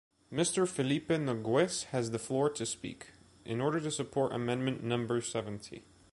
Mister Philippe Noguès has the floor to speak, in order to support amendment number seventy.